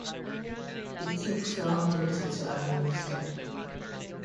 It took so little to amuse them.